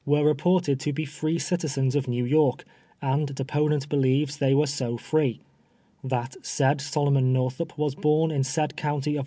were reported to be free citizens of New York, and deponent believes they were so free ; that said Solomon Northiip wtvs born in said county of \\'u.